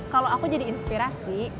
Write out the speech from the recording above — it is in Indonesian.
kalau aku jadi inspirasi